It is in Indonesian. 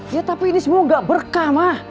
ya tapi ini semua nggak berkah mah